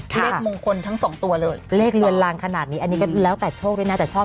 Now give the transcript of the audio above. เลขมงคลทั้งสองตัวเลยเลขเลือนลางขนาดนี้อันนี้ก็แล้วแต่โชคด้วยนะแต่ชอบ